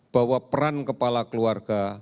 bahwa peran kepala keluarga